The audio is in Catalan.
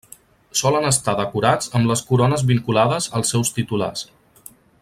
Solen estar decorats amb les corones vinculades als seus titulars.